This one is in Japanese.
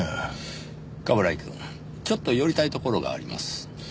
冠城くんちょっと寄りたいところがあります。